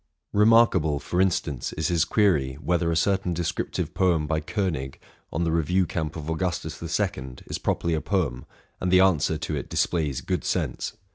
Remarkable, for instance, is his query, '' Whether a certain descriptive poem by Konig, on the ' Review camp of Augustus the Second,' is properly a RELATING TO MY LIFE. 219 poem?'' and the answer to it displays good sense.